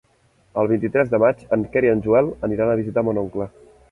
El vint-i-tres de maig en Quer i en Joel aniran a visitar mon oncle.